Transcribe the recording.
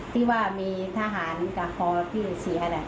ที่ว่ามีทหารกับพอที่เสีย